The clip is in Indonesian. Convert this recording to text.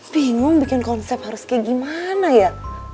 bingung bikin konsep harus kayak gimana ya